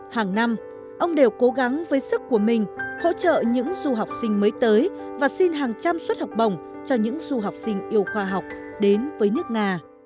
hàng năm ông đều cố gắng với sức của mình hỗ trợ những du học sinh mới tới và xin hàng trăm suất học bổng cho những du học sinh yêu khoa học đến với nước nga